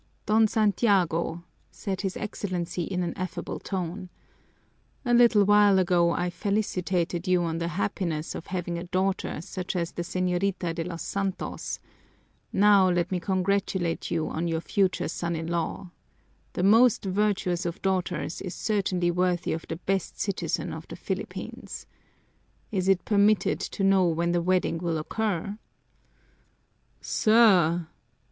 "Don Santiago," said his Excellency in an affable tone, "a little while ago I felicitated you on the happiness of having a daughter such as the Señorita de los Santos; now let me congratulate you on your future son in law. The most virtuous of daughters is certainly worthy of the best citizen of the Philippines. Is it permitted to know when the wedding will occur?" "Sir!"